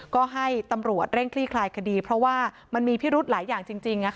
ก็ให้ตำรวจเร่งคลี่คลายคดีเพราะว่ามันมีพิรุธหลายอย่างจริง